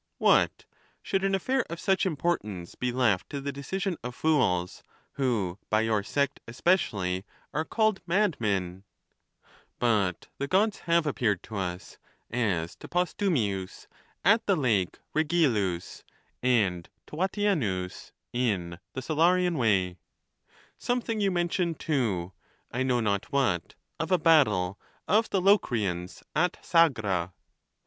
What ! should an affair of such importance be left to the decision of fools, who, by your sect especially, are called madmen ? V. But the Gods have appeared to us, as to Posthumius at the Lake Regillus, and to Vatienus in the Salarian Way : something you mentioned, too, I know not what, of a battle of the Locrians at Sagra.